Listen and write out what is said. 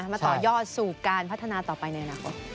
มาต่อยอดสู่การพัฒนาต่อไปในอนาคต